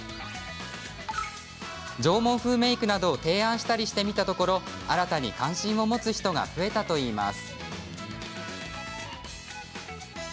縄文風メークなどを提案したりしてみたところ新たに関心を持つ人が増えたといいます。